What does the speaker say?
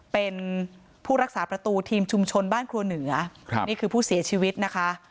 เป็นผู้รักษาประตูทีมชุมชนบ้านครัวเหนือนี่คือผู้เสียชีวิตนะคะ